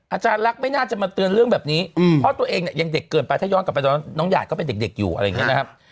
อาจารย์รักไม่น่าจะมาเตือนเรื่องแบบนี้เพราะตัวเองเนี่ยยังเด็กเกินไปถ้าย้อนกลับไปตอนน้องหยาดก็เป็นเด็กอยู่อะไรอย่างนี้นะครับ